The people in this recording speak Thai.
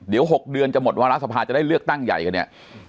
เดี๋ยว๖เดือนจะหมดวาระสภาจะได้เลือกตั้งใหญ่กันเนี่ย